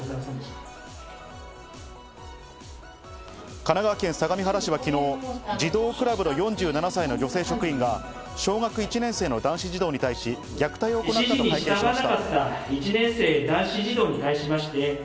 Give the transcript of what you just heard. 神奈川県相模原市は昨日、児童クラブの４７歳の女性職員が小学１年生の男子児童に対し、虐待を行ったと会見しました。